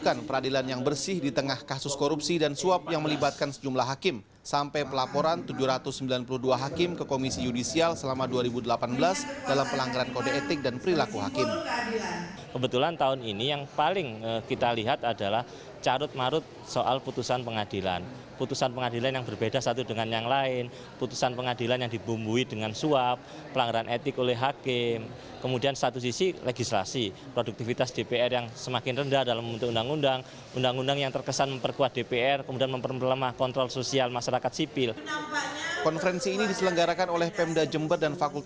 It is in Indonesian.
konferensi ini diselenggarakan oleh pmd jember dan fakultas hukum universitas jember